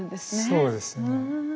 そうですね。